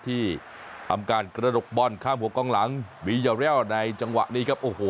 ที่ทำการกระดกบอลข้ามหัวกล้องหลังบียอเรียลในจังหวะนี้ครับโอ้โห